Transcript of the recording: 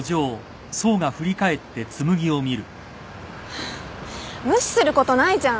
ハァ無視することないじゃん。